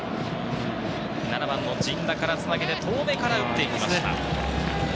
７番の陣田からつなげて遠目から打っていきました。